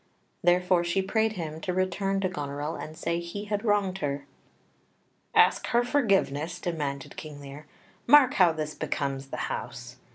Therefore she prayed him to return to Goneril and say he had wronged her. "Ask her forgiveness?" demanded King Lear. "Mark how this becomes the house."